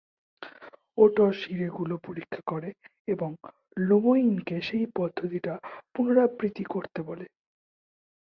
Oats হীরেগুলো পরীক্ষা করে এবং লেমোইনকে সেই পদ্ধতিটা পুনরাবৃত্তি করতে বলে।